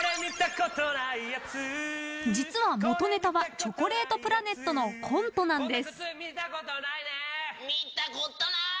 実は元ネタはチョコレートプラネットのコントなんです。